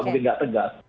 jadi nggak tegas